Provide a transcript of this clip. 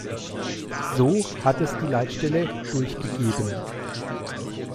So hat es die Leitstelle durchgegeben.